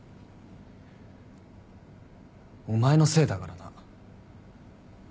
お前のせいだからな。